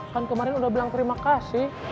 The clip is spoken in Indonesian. kan kemarin udah bilang terima kasih